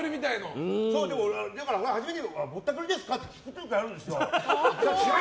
だから初めにぼったくりですかって聞く時あるんですよ。